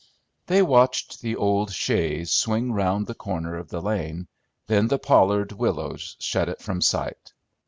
They watched the old chaise swing round the corner of the lane, then the pollard willows shut it from sight.